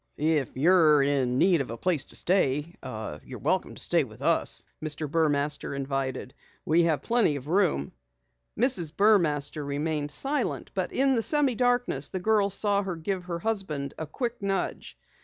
"If you're in need of a place to stay, we'll be glad to have you remain with us," Mr. Burmaster invited. "We have plenty of room." Mrs. Burmaster remained silent, but in the semi darkness, the girls saw her give her husband a quick nudge.